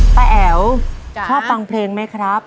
แอ๋วชอบฟังเพลงไหมครับ